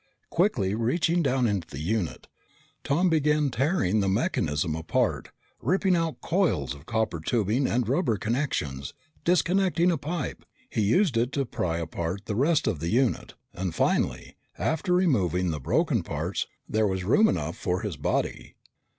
Quickly reaching down into the unit, Tom began tearing the mechanism apart; ripping out coils of copper tubing and rubber connections. Disconnecting a pipe, he used it to pry apart the rest of the unit, and finally, after removing the broken parts, there was room enough for his body.